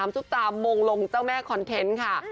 ซุปตามงลงเจ้าแม่คอนเทนต์ค่ะ